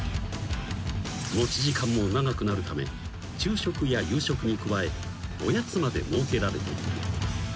［持ち時間も長くなるため昼食や夕食に加えおやつまで設けられている］